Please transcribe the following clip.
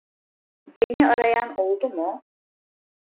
Beni arayan oldu mu?